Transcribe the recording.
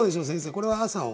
これは「朝」を？